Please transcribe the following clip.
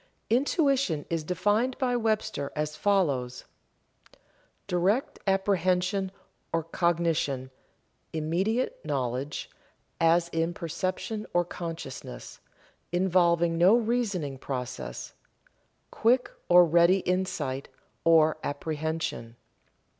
Intuition is defined by Webster as follows: "Direct apprehension or cognition; immediate knowledge, as in perception or consciousness, involving no reasoning process; quick or ready insight or apprehension."